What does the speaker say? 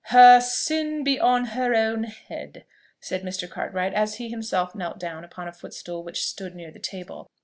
"Her sin be on her own head!" said Mr. Cartwright as he himself kneeled down upon a footstool which stood near the table.